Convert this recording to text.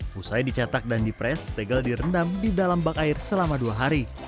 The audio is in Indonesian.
pusai dicetak dan dipres tegel direndam di dalam bak air selama dua hari